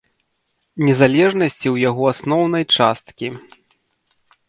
Незалежнасці ў яго асноўнай часткі.